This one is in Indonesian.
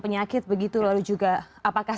penyakit begitu lalu juga apakah